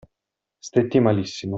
Stetti malissimo.